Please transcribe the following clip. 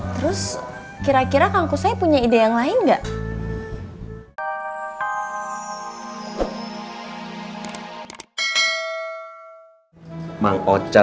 terus kira kira kang kusai punya ide yang lain enggak